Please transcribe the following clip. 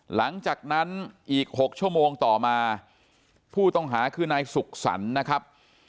หลังจากนั้นอีก๖ชั่วโมงต่อมาผู้ต้องหาคือนายสุขสรรค์นะครับ